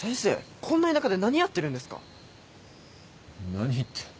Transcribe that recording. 何って。